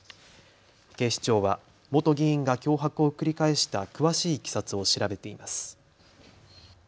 警視庁は元議員が脅迫を繰り返した詳しいいきさつを調べています。